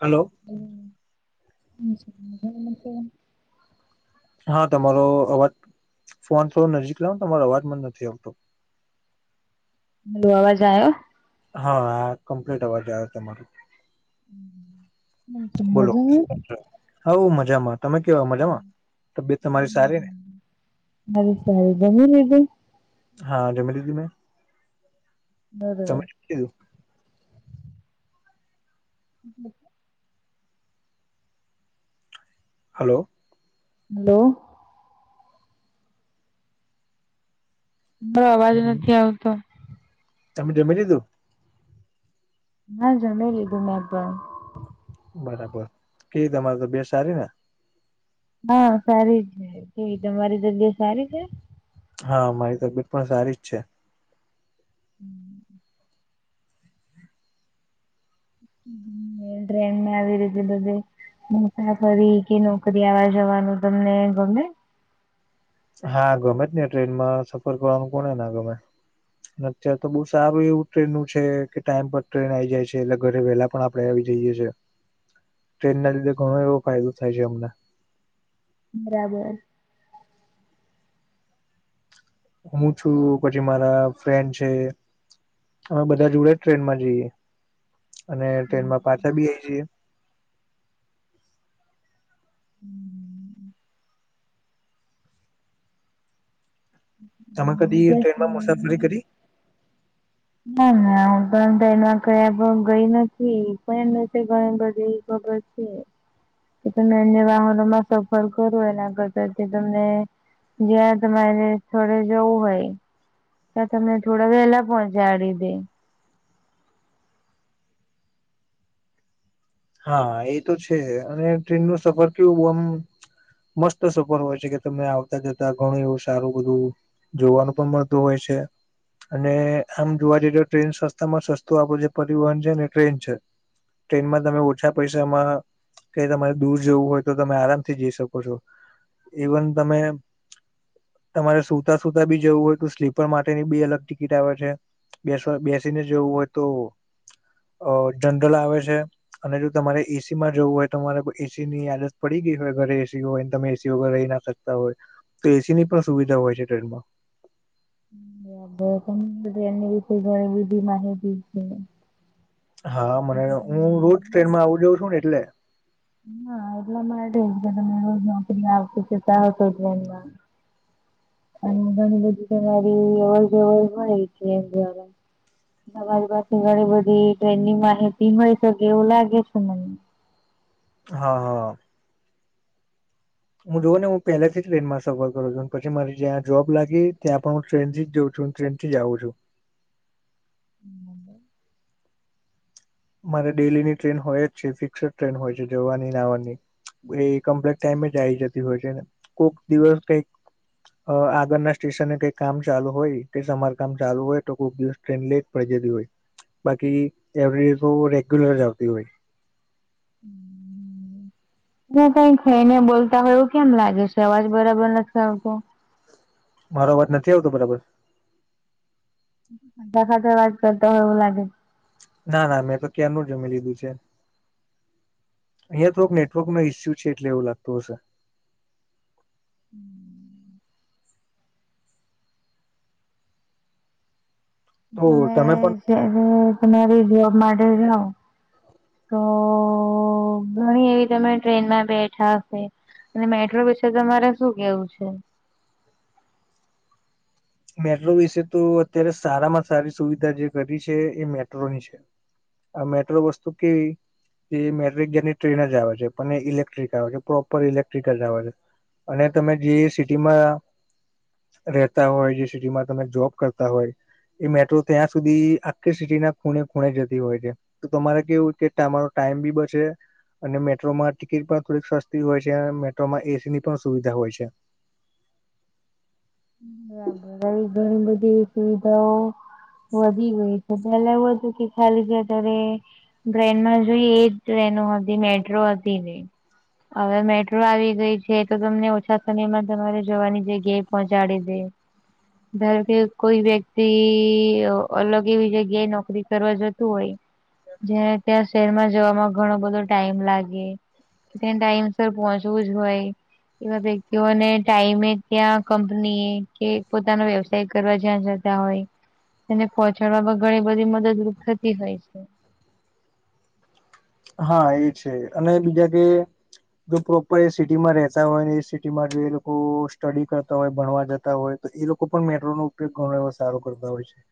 Hello! [inaudible] હા તમારો અવાજ ફોન થોડો નજીક લાવ તમારો અવાજમાં નથી આવતો. હવે અવાજ આયો? હા કમ્પ્લીટ અવાજ આવે છે. [inaudible] બોલો [unintelligible] સૌ મજામાં તમે કેવા મજામાં? તબિયત તમારી સારી ને? સારું સારું જમી લીધું? હા જમી દીધું [unintelligible] [inaudible] [inaudible] હલો! હલો, હં અવાજ નથી આવતો. તમે જમી લીધું? હા જમીલીધું મે તો બરાબર કેવીતમારે તબિયત સારી ને? હા સારી છે. કેવી તમારી સારી છે? હા મારી તબિયત પણ સારી જ છે. [inaudible] [unintelligible] આવી રીતે બધે મુસાા ફરી કે નોકરી આવવા જવાનું તમને ગમે હા ગમે ને ટ્રેનમાં સફર કરવાનું કોણને ગમે અત્યારે તો બઉ સારું એવું ટ્રેન નું છે કે ટાઈમ પર ટ્રેન આ આવી જાય છે એટલે ઘરે વેહેલા પણ આપ આપડ આવી જઈએ છ છેએ ટ્રેન ના લીધે ઘણો એવો ફાયદો થાય છે અમને. બરાબર હું છું પછી મારા ફ્રેન્ડ છે. હવે બધા જોડે જ ટ્રેનમાં જઈએ અને ટ્રેન માં પાછા બી આવી જઈએ. તમે કદી બીજા ટ્રેનમાં મુસાફરી શું? કરી. ના ના હું પણ એ ક ગઈ નથી પણ એમ બધીવીબર [unintelligible] કે તમે અન્ય વાહનોમાં સફર કરો એના કરતા કે તમને જ્યાં તમારે થોડે જવું હોય. ત્યાં તમને થોડા વહેલા પહોંચાડી દે હા એ તો છે અને ટ્રેન નો સફર કેવું આમ મસ્ત સફર હોય છે કે તમે આવતા જતા ઘણું એવું સારું બધું. જોવાનું પણ મળતું હોય છે. અને આમ જોવા જઇએ ને ટ્રેન સસ્તા માં સસ્તું આપો છે પરિવહન છે ને ટ્રેન છે. ટ્રેનમાં તમે [unintelligible] ઓછા પૈસામાં કે તમારે દૂર જવું હોય તો તમે આરામથી જઈ શકો છો. ઇવન તમે તમારે સુતા સુતા બી જવું હોય તો સ્લીપર માટેની બી અલગ ટિકિટ આવે છે. બેસ બેસીને જેવું હોય તો જનરલ આવે છે. અને જો તમારે એસી માં જવું હોય તો તમારે કો એસી ની આદત પડી ગઈ હોય ઘરે એસી હોય ને તમે એસી વગર રહી ના શકો. હોય તો એસી ની પણ સુવિધા હોય છે ટ્રેનમાં એની બી કોઈ જ વિધિ માહી છે [unintelligible] હા મને એટલે તમે હું રોજ ટ્રેનમાં આવું જાઉં છું ને એટલે હા એટલા માટે કે તમે નોકરી આતી કેતાતો એમાં અને ઘણી બધી કેરી અવર જવર મળે છે એમવા [inaudible] અમદાવાદ પાથી ઘણી બધી ટ્રેન ની માહિતી મળી શકે એવું લાગે છે મને હા. હું જોઉં ને હું પહેલેથી જ ટ્રેનમાં સફર કરું છું પછી મારી જ્યાં જોબ લાગી ત્યાં પણ હું ટ્રેન થી જ જાઉં છું. ટ્રેન થી જઉું છું. મારે ડેલી ની ટ્રેન હોય જ છે ફિક્સ ટ્રેન હોય છે જવાની આવવાની એ કમ્પ્લિટ ટાઈમે જ આવી જતી હોય છેને કોઈક દિવસ કઈક અ આગળના સ્ટેશન ને કઈ કામ ચાલુ હોય તે સમારકામ ચાલુ હોય તો કોક દિવસ ટ્રેન લે પડી જતી હોય બાકી એવરી ડે તો રેગ્યુલર જ આવતી હોય. ના કઈ ખઈ ને બોલતા હોયવું કેમ લાગે છે અવાજ બરાબર નથી આવતો મારો અવાજ નથી આવતો બરાબર બધા સાથે વાત કરતો હોય એવું લાગે છ. ના ના મેં તો ક્યારનું જમી લીધું છે. અહિયાં તો એક નેટવર્ક ન ઈસ્યુ છે એટલે એવું લાગતું હશે. હમ [inaudible] તો તમે પણ તમારી જોબ માટે જાઓ તો ઘણી એવી તમે ટ્રેનમાં બેઠા હશે. અને મેટ્રો વિશે તમારે શું કેવું છે. મેટ્રો વિશે તો અત્યારે સારામાં સારી સુવિધા જે કરી છે એ મેટ્રોની છે. આ મેટ્રો વસ્તુ કેવી? એ મેટ્રિક ગની ટ્રેન જ આવે છે પણ એ ઇલેક્ટ્રિક આવે છે પ્રોપર ઇલેક્ટ્રિક જ આવે છે. અને તમે જે સિટીમાં રહેેતા હોય જે સિટીમાં તમે જોબ કરતા હોય એ મેટ્રો ત્યાં સુધી આખી સિટીના ખૂણે ખૂણે જતી હોય છે તો તમારે કેવું કે તમારો ટાઈમ બી બચે. અને મેટ્રોમાં ટિકિટ પણ થોડીક સસ્તી હોય છે અને મેટ્રોમાં એસી ની પણ સુવિધા હોય છે. હ બરાબ [inaudible] [inaudible] ઘણી બધી સુવિધાઓ વધી ગઈ છે. પેલા એવું હતું કે ખાલી [inaudible] ટ્રેનમાં જોઈએ એજ ટ્રેનો હતી મેટ્રો હતી ને હવે મેટ્રો આવી ગઈ છે તો તમને ઓછા સમયમાં તમારે જવાની જગ્યાએ પહોંચાડી દે. ધાર કે કોઈ વ્યક્તિ અલગ એવી જગ્યાએ નોકરી કરવા જતું હોય જયાં ત્યાં શહેરમાં જવામાં ઘણો બધો ટાઈમ લાગે ત્યાં ટાઈમસર પહોચ એવું જ હોય એવા વ્યક્તિઓને ટાઈમે ત્યાં કંપની એ કે પોતાનો વ્યવસાય કરવા જ્યાં જતા હોય તેને પહોંચાડવામાં ઘણી બધી મદદરૂપ થતી હોય છે. હા એ છે અને બીજા કે જો પ્રોપર એ સિટીમાં રહેતા હોય, એ સિટીમાં જો એ લોકો સ્ટડી કરતા હોય, ભણવા જતા હોય તો એ લોકો પણ મેટ્રોનો ઉપયોગ ઘણો એવો સારો કરતા હોય છે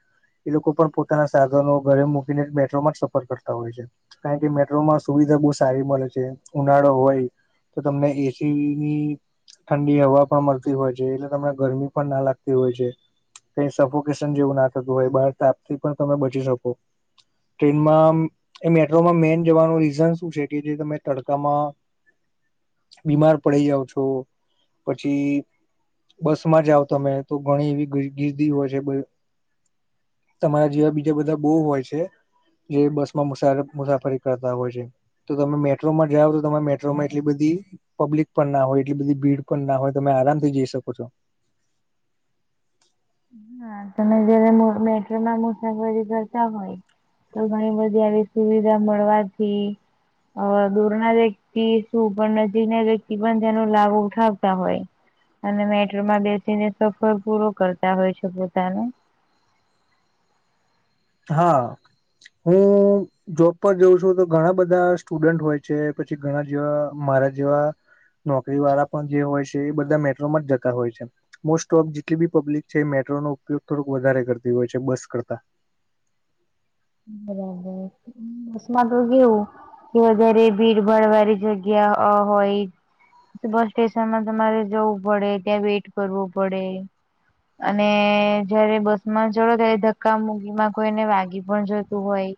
એ લોકો પણ પોતાના સાધનો ઘરે મૂકીને મેટ્રોમાં જ સફર કરતા હોય છે. કારણ કે મેટ્રો સુવિધા બહુ સારી મળે છે. ઉનાળો હોય તો તમને એસીની ઠંડી હવા પણ મળતી હોય છે એટલે તમને ગરમી પણ ના લાગતી હોય છે. કઈ સફોકેશન જેવું ના થતું હોય બહાર તાપથી પણ તમે બચી શકો ટ્રેનમાં આમ મેટ્રોમાં મેન જવાનું રીઝન શું છે કે જે તમે તડકામાં બીમાર પડી જાવં છો પછી બસ માં જાઓ તમે તો, ઘણી એવી ગીર્દી હોય છે. તમારા જેવા બીજા બધા બો હોય છે. જે બસમાં મુસા મુસાફરી કરતા હોય છે. તો તમે મેટ્રોમાં જાવો તો તમામે મેટ્રોમાં એટલી બધી પબ્લિક પણ ના હોય, એટલી બધી ભીડ પણ ના હોય તમે આરામથી જઈ શકો છો હા તમે જયારે [inaudible] મેટ્રોમાં મુસાફરી કરતા હોય તો ઘણી બધી આવી સુવિધા મળવાથી હવે દૂર ના વ્યક્તિ શું પણ નજીકના વ્યક્તિ પણ તેનો લાભ ઉઠાવતા હોય અને મેટ્રોમાં બેસીને સફર પૂરો કરતા હોય છે પોતાનો હા, હું જોબ પર જોઉં છું તો ઘણા બધા સ્ટુડન્ટ હોય છે પછી ઘણા જેવા મારા જેવા નોકરી વાળા પણ જે હોય છે, એ બધા મેટ્રોમાં જ [inaudible] ય મોસ્ટ ઓફ જેટલી બી પબ્લિક છે મેટ્રો નો ઉપયોગ થોડક વધારે કરતી હોય છે બસ કરતા બરાબર બસમાં તો કેવું કે વધારે ભીડ ભાડ વાળી જગ્યા હોય બસ સ્ટેશનમાં તમારે જવું પડે, ત્યાં વેઇટ કરવું પડે અને જયારે બસ માં ચઢો ત્યારે ધક્કા મુક્કીમાં કોઈને વાગી પણ જોય તું હોઈ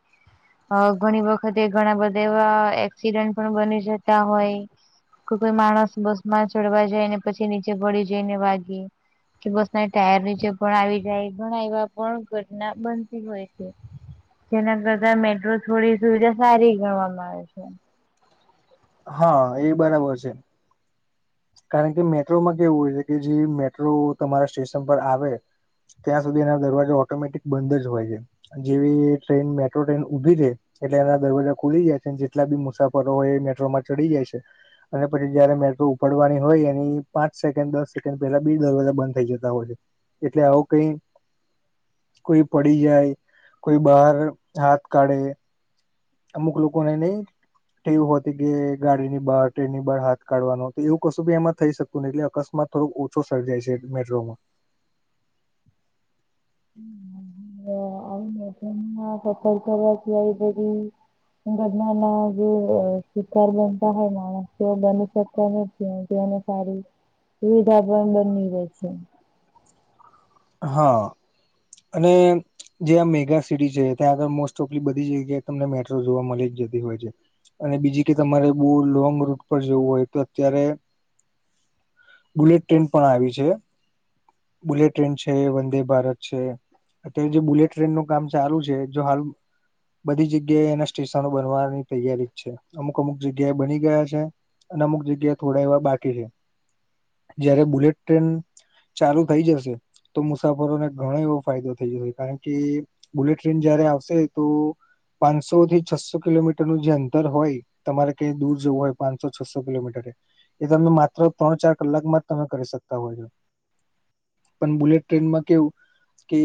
અ ઘણી વખતે ઘણા બધા એવા એક્સિડન્ટ પણ બની જતા હોય કોઈ કોઈ માણસ બસ માં ચડવા જાય ને પછી નીચે પડી જઈને વાગે બસ ના ટાયર નીચે પણ આવી જાય ઘણા એવા પણ ઘટના બનતી હોય છે જેના કરતા મેટ્રો થોડી સુવિધા સારી ગણવામાં આવે છે હા એ બરાબર છે કારણ કે મેટ્રોમાં કેવું હોય છે કે, જેવી મેટ્રો તમારા સ્ટેશન પર આવે ત્યાં સુધી એનો દરવાજો ઓટોમેટિક બંધ જ હોય છે. જેવી ટ્રેન મેટ્રો ટ્રેન ઊભી છે એટલે એના દરવાજા ખુલી જાય છે જેટલા બી મુસાફરો હોય એ મેટ્રોમાં ચઢી જાય છે અને પછી જયારે મેટ્રો પડવાની હોય એની પાંચ સેકન્ડ દસ સેકન્ડ પેલા બે દરવાજા બંધ થઈ જતા હોય છે એટલે આવું કઈ કોઈ પડી જાય કોઈ બહાર હાથ કાઢે અમુક લોકોને નહિ એવું હતી કે ગાડીની બાર ટ્રેનની બહાર હાથ કાઢવાનું તો એવું કશું બી એમાં થઈ શકતું નથી એટલે અકસ્માત થોડોક ઓછો સર્જાય છે મેટ્રોમાં ના [unintelligible] કરવાથી આવી બધી [unintelligible] ના શિકાર બનતા હોય માણસ બંધ કરી શકતા ને સારી સુવિધા પણ બની રહે છે હા અને જે આ મેગા સિટી છે ત્યાં આગળ મોસ્ટ ઓફલી બધી જગ્યાએ તમને મેટ્રો જોવા મળી જતી હોય છે અને બીજી કે તમારે બહુ લોંગ રૂટ પર જવું હોય તો અત્યારે બુલેટ ટ્રેન પણ આવી છે બુલેટ બુલેટ ટ્રેન છે વંદે ભારત છે અત્યારે જે બુલેટ ટ્રેન નું કામ ચાલુ છે જો હાલ બધી જગ્યા એ એના સ્ટેશનો બનવાની તૈયારી જ છે અમુક અમુક જગ્યા એ બની ગયા છે અને અમુક જગ્યા થોડા એવા બાકી છે જયારે બુલેટ ટ્રેન ચાલુ થઈ જશે તો મુસાફરોને ઘણો એવો ફાયદો થઈ જશે કારણ કે બુલેટ ટ્રેન જયારે આવશે તો પાંચસો થી છસો કિલોમીટર નું જે અંતર હોય તમારે કઈ દૂર જવું હોય પાંચસો છસો કિલોમીટર એ તમે માત્ર ત્રણ ચાર કલાકમાં જ તમે કરી શકતા હો છો પણ બુલેટ ટ્રેનમાં કેવું કે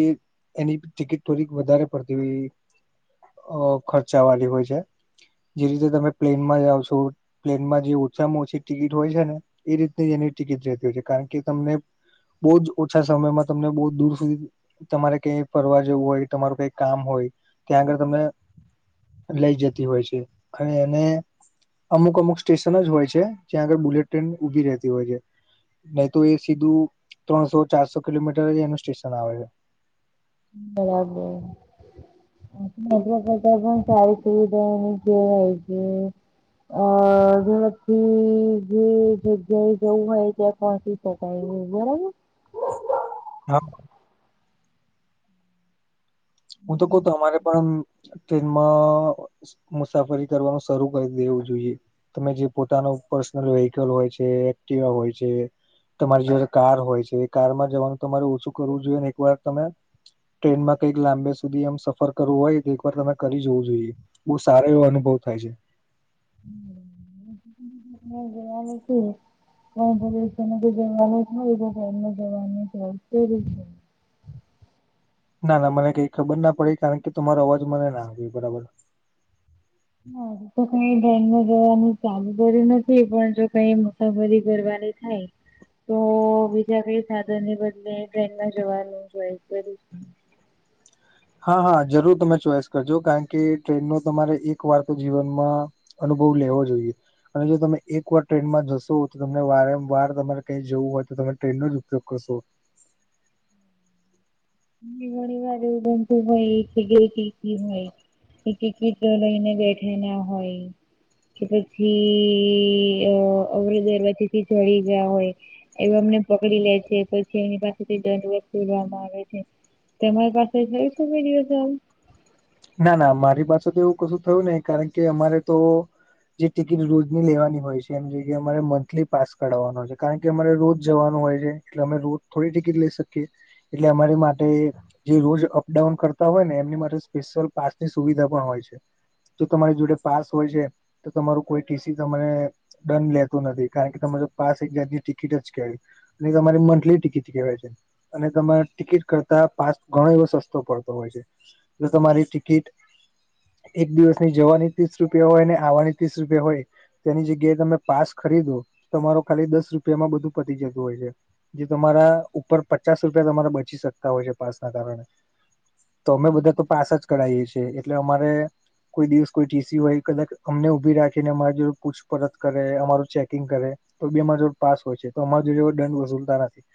એની ટિકિટ થોડી વધારે પડતી હોય અ ખર્ચા વાળી હોય છે જે રીતે તમે પ્લેનમાં જાઓ છો પ્લેનમાં જે ઓછામાં ઓછી ટિકિટ હોય છે ને એ રીતની એની ટિકિટ જતી હોય છે કારણ કે તમને બહુ જ ઓછા સમયમાં તમને બહું જ દૂર સુધી તમારે કઈ ફરવા જવું હોય તમારું કઈ કામ હોય ત્યાં આગળ તમને લઈ જતી હોય છે અને એને અમુક અમુક સ્ટેશન જ હોય છે જ્યાં આગળ બુલેટ ટ્રેન ઊભી રહેતી હોય છે નહી તો એ સીધું ત્રણસો ચારસો કિલોમીટર જ એનું સ્ટેશન આવે છે બરાબર કરતા કરતા પણ સારી સુવિધા હોય છે અ જેમાંથી જે જગ્યાએ જવું હોય ત્યા કોણથી તો કાઈ નઈ બરાબર હા. હું તો કઉ તમારે પણ ટ્રેનમાં મુસાફરી કરવાનું શરૂ કરી દેવું જોઈએ તમે જે પોતાનું પર્સનલ વીહિકલ હોય છે એક્ટિવા હોય છે તમારી જે કાર હોય છે એ કારમાં જવાનું તમારે ઓછું કરવું જોઈએ ને એક વાર તમે ટ્રેન માં કઈક લાંબો સમય સુધી એમ સફર કરવું હોય તો એક વાર તમે કરી જવું જોઈએ બહુ સારો એવો અનુભવ થાય છે હમ્મ જવાનુ શું જવાનું [unintelligible] હોય જવાનું હોય એ રીતે ના ના મને કઈ ખબર ના પડી કારણ કે તમારો અવાજ મને નાાગે બરાબર હ હજુ તો કઈ ટ્રેનમાં જવાનું ચાલુ કરીયું નથી પણ જો કઈ તમારી ઘરવાળી થાય તો બીજા કઈ સાધનને બદલે ટ્રેનમાં જવાનું જોઈ કરી હા હા જરૂર તમે ચોઈસ કરજો કારણ કે ટ્રેનનો તમારે એક વાર તો જીવનમાં અનુભવ લેવો જોઈએ અને જો તમે એક વાર ટ્રેનમાં જશો તો તમને વારંવાર તમારે કઈ જવું હોય તો તમે ટ્રેનનો જ ઉપયોગ કરશો ઘણી વાર એવું બનતું હોય ગઈ હોય ટિકિટ લઈને બેઠે ના હોય કે પછી અ અમૃદરવતીથી જળી ગયા હોય. એવ અમને પકડી લે છે પછી એમની પાસેથી દડવર ખોલવામાં આવે છે તમારી પાસે જઈ સુધ છે ના ના મારી પાસે તો એવું કશું થયું નને કારણ કે અમારે તો જે ટિકિટ રોજની લેવાની હોય છે એમ જગ્યાએ અમારે મંથલી પાસ કરાવવાનો હોય છે કારણ કે અમારે રોજ જવાનું હોય છે એટલે અમે રોજ થોડી ટિકિટ લઈ શકીએ એટલે અમારી માટે જે રોજ અપડાઉન કરતા હોય ને એમની માટે સ્પેશલ પાસ ની સુવિધા પણ હોય છે જો તમારી જોડે પાસ હોય છે. તો તમારું કોઈ ટીસી તમાને દંડ લેતો નથી કારણ કે તમારે પાસ એક જાતની ટિકિટ જ કેવી? તમારી મંથલી ટિકિટ કેહેવાય છે. અને તમારે ટિકિટ કરતા પાસ ઘણો એવો સસ્તો પડતો હોય છે. જો તમારી ટિકિટ એક દિવસની જવાની ત્રીસ રૂપિયા હોય ને આવવાની ત્રીસ રૂપિયા હોય. તેની જગ્યાએ તમે પાસ ખરીદો તમારો ખાલી દસ રૂપિયામાં બધું પટી જતું હોય છે. જે તમારા ઉપર પચાસ રૂપિયા તમારા બચી શકતા હોય છે પાસ ના કારણે તો અમે બધા તો પાછ જ કરીએ છીએ એટલે અમારે કોઈ દિવસ કોઈ ટીસી હોય કદાચ અમને ઉઊભી રાખી ને અમારી જો પૂછપરછ કરે અમારું ચેકિંગ કરે તો બેમાર જોડ પાસ હોય છે તો અમારા જો દંડ વસૂલતા નથી.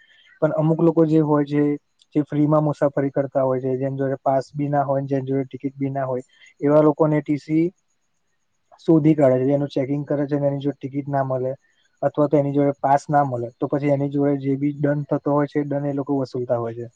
પણ અમુક લોકો જે હોય છે જે ફ્રીમાં મુસાફરી કરતા હોય છે જેમ જો પાસ બી ના હોય જનજ ટિકિટ બી ના હોય એવા લોકોને ટીસી શોધી કાઢે છે એનું ચેકિંગ કરે છે અને એની જો ટિકિટ ના મળે અથવા તો એની જોડે પાસ ના મળે તો પછી એની જોડે જે બી દંડ થતો હોય છે એ દંડ એ લોકો વસૂલતા હોય છે.